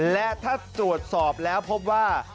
และถ้าตรวจสอบแล้วพบว่า